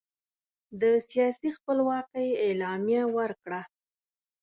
د سیاسي خپلواکۍ اعلامیه ورکړه.